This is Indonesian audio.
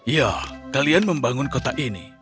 ya kalian membangun kota ini